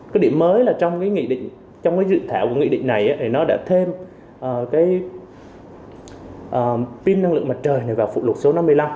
có điểm mới là trong dự thảo của nghị định này nó đã thêm pin năng lượng mặt trời vào phụ lục số năm mươi năm